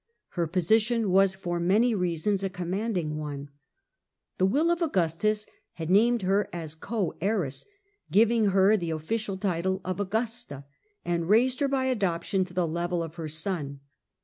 Her position was for many reasons a commanding one. The will of Augustus had named her as co heiress, given her the official title of Augusta, and raised called her by adoption to the level of her son.